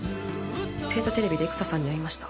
帝都テレビで育田さんに会いました。